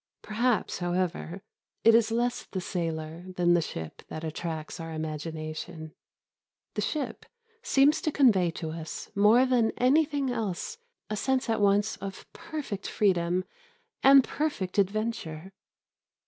Perhaps, however, it is less the sailor than the ship that attracts our imagination. The ship seems to convey to us more than anything else a sense at once of perfect freedom and perfect adventure.